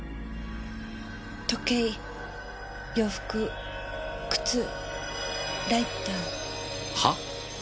時計洋服靴ライター。は？